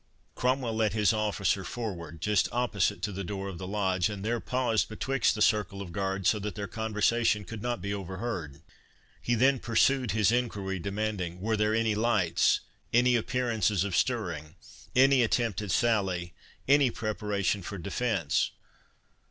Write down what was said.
Cromwell led his officer forward just opposite to the door of the Lodge, and there paused betwixt the circles of guards, so that their conversation could not be overheard. He then pursued his enquiry, demanding, "Were there any lights—any appearances of stirring—any attempt at sally—any preparation for defence?"